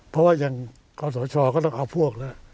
เพราะว่ายังความสดชอบก็ต้องเอาพวกแล้ว